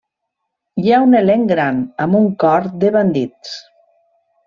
Hi ha un elenc gran, amb un cor de bandits.